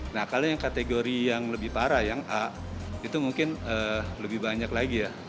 nah kalau yang kategori yang lebih parah yang a itu mungkin lebih banyak lagi ya